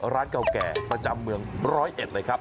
ร้านเก่าแก่ประจำเมืองร้อยเอ็ดเลยครับ